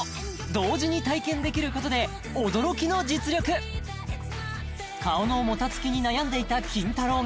同時に体験できることで驚きの実力顔のもたつきに悩んでいたキンタロー。